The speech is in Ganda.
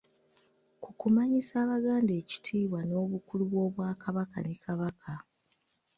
Ku kumanyisa Abaganda ekitiibwa n’Obukulu bw’Obwakabaka ne Kabaka.